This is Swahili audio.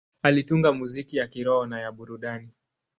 Alitunga muziki ya kiroho na ya burudani.